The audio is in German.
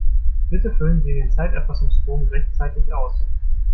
Bitte füllen Sie den Zeiterfassungsbogen rechtzeitig aus!